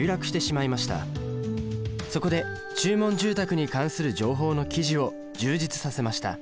そこで注文住宅に関する情報の記事を充実させました。